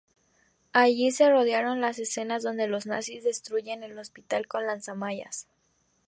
Allí se rodaron las escenas donde los nazis destruyen el hospital con lanzallamas.